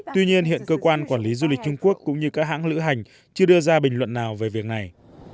tuy nhiên hiện cơ quan quản lý du lịch trung quốc cũng như các hãng lữ hành chưa đưa ra bình luận nào về việc này